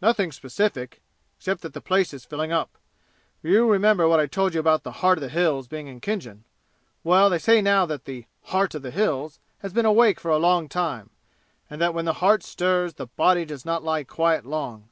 "Nothing specific, except that the place is filling up. You remember what I told you about the 'Heart of the Hills' being in Khinjan? Well, they say now that the 'Heart of the Hills' has been awake for a long time, and that when the heart stirs the body does not lie quiet long.